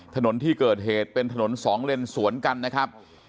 ถนนที่เกิดเหตุเป็นถนนสองเลนสวนกันนะครับ